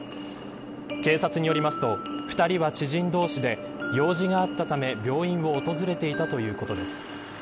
警察によりますと２人は知人同士で用事があったため病院を訪れていたということです。